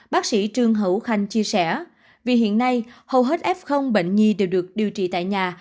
bác sĩ trương hữu khanh chia sẻ vì hiện nay hầu hết f bệnh nhi đều được điều trị tại nhà